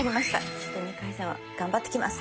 ちょっと２回戦は頑張ってきます。